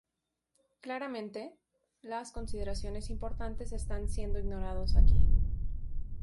Claramente, las consideraciones importantes están siendo ignorados aquí.